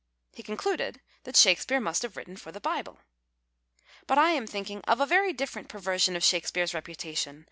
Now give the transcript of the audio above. He concluded that Shakespeare must have written for the IJible. Hut I am thinking of a ^■ery diffircnt jx rver sion of Shakespeare's reputation.